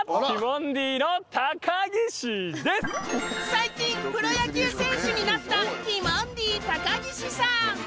最近プロ野球選手になったティモンディ高岸さん！